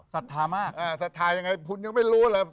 ศรัทธามากศรัทธายังไงคุณยังไม่รู้เลย